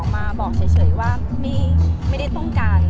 แม็กซ์ก็คือหนักที่สุดในชีวิตเลยจริง